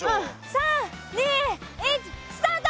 ３２１スタート！